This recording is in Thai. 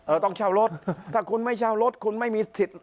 ต้องเช่ารถถ้าคุณไม่เช่ารถคุณไม่มีสิทธิ์